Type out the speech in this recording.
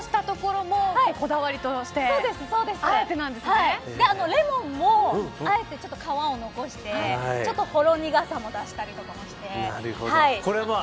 永島さん、果肉を残したところもこだわりとしてレモンも、あえて皮を残してほろ苦さも出したりとかして。